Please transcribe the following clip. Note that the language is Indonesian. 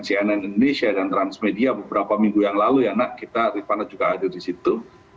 cnn indonesia dan transmedia beberapa minggu yang lalu ya nak kita riffana juga ada disitu